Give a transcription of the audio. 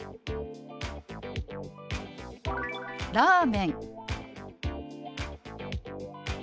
「ラーメン」。